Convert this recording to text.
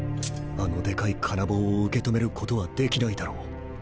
あのでかい金棒を受け止めることはできないだろう